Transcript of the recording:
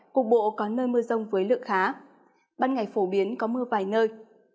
cục bộ có nơi mưa rông với lượng khá ban ngày phổ biến có mưa vài nơi